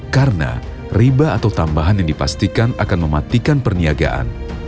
karena riba atau tambahan yang dipastikan akan mematikan perniagaan